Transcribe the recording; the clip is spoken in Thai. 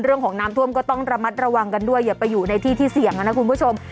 เรื่องของน้ำท่วมก็ต้องระมัดระวังกันด้วยอย่าไปอยู่ในที่ที่เสี่ยงนะคุณผู้ชม